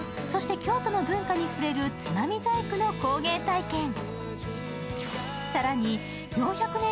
そして京都の文化に触れるつまみ細工の工芸体験。